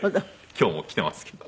今日も来てますけど。